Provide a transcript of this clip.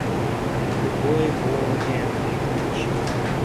The boy bore him a grudge.